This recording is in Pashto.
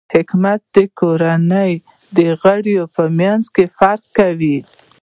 حکمت د کورنۍ د غړو په منځ کې فرق کوي.